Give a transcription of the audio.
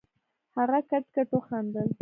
هغه کټ کټ وخندل.